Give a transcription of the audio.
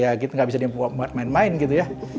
paling ya gitu nggak bisa dimuat main main gitu ya